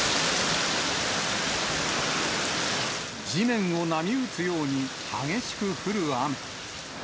地面を波打つように激しく降る雨。